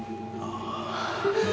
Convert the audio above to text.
ああ。